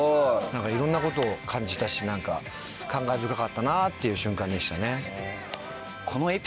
何かいろんなことを感じたし感慨深かったなっていう瞬間でしたね。